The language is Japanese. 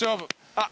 あっ。